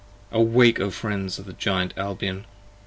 awake, O Friends of the Giant Albion!